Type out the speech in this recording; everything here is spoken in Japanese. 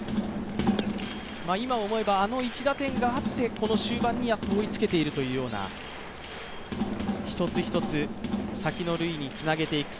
今思えば、あの１打点があって、この終盤に追いつけているというような、一つ一つ、先の塁につなげていく。